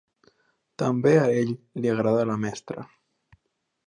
També a ell li agrada la mestra.